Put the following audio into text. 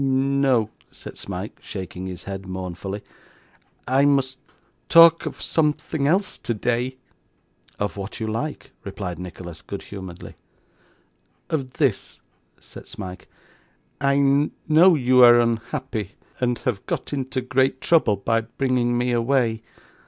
'No,' said Smike, shaking his head mournfully; 'I must talk of something else today.' 'Of what you like,' replied Nicholas, good humouredly. 'Of this,' said Smike. 'I know you are unhappy, and have got into great trouble by bringing me away.